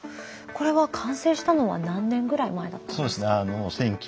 これは完成したのは何年ぐらい前だったんですか？